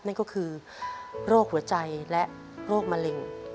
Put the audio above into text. นั่นก็คือโรคหัวใจและโรคมะเร็ง